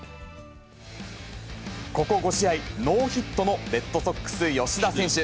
ここ５試合、ノーヒットのレッドソックス、吉田選手。